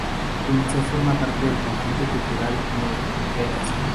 El museo forma parte del conjunto cultural Nogueras.